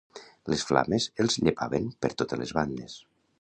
Les flames els llepaven per totes les bandes.